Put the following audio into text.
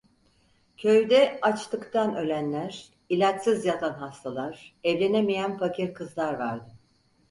Köyde açlıktan ölenler, ilaçsız yatan hastalar, evlenemeyen fakir kızlar vardı.